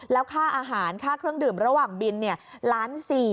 แล้วค่าอาหารค่าเครื่องดื่มระหว่างบินล้าน๔